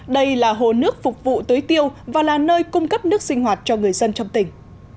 đây là hồ nước phục vụ tưới tiêu và là nơi cung cấp nước sinh hoạt cho người dân trong tỉnh